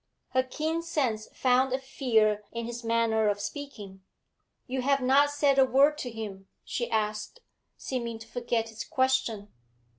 Her keen sense found a fear in his manner of speaking. 'You have not said a word to him,' she asked, seeming to forget his question.